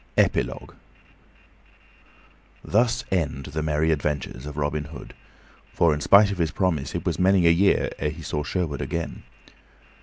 Epilogue THUS END the Merry Adventures of Robin Hood; for, in spite of his promise, it was many a year ere he saw Sherwood again.